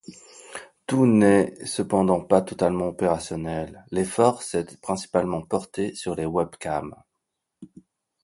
Tout n'est cependant pas totalement opérationnel, l'effort s'est principalement porté sur les webcams.